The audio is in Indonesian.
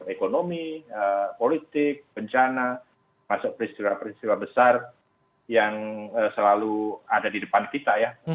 ekonomi politik bencana masuk peristiwa peristiwa besar yang selalu ada di depan kita ya